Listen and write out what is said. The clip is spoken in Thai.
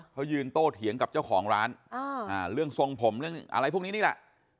เขายืนโตเถียงกับเจ้าของร้านเรื่องทรงผมเรื่องอะไรพวกนี้นี่แหละ